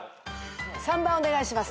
３番お願いします。